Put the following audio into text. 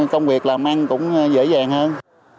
công việc làm ăn cũng dễ dàng hơn